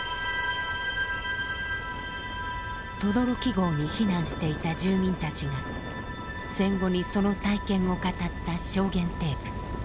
轟壕に避難していた住民たちが戦後にその体験を語った証言テープ。